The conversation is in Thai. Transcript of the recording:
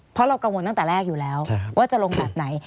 เพราะเรากังวลตั้งแต่แรกอยู่แล้วว่าจะลงแบบไหน